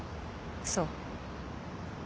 そう。